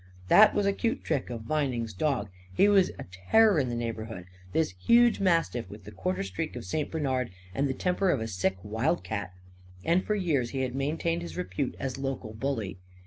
That was a cute trick of Vining's dog. He was a terror in the neighbourhood; this huge mastiff with the quarter streak of St. Bernard and the temper of a sick wildcat. And for years he had maintained his repute as local bully.